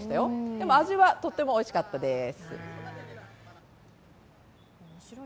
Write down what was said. でも、味はとってもおいしかったです。